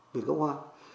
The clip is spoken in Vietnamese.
miền cốc hoa